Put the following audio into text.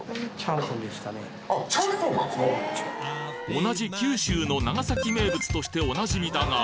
同じ九州の長崎名物としておなじみだが